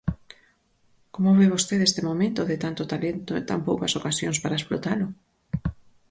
Como ve vostede este momento de tanto talento e tan poucas ocasións para explotalo?